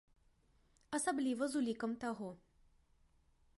Асабліва з улікам таго.